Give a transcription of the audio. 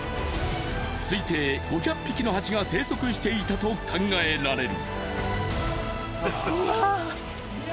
推定５００匹のハチが生息していたと考えられる。